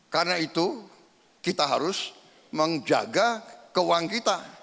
karena itu kita harus menjaga keuangan kita